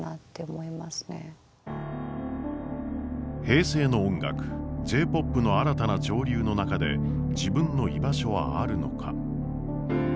平成の音楽Ｊ−ＰＯＰの新たな潮流の中で自分の居場所はあるのか。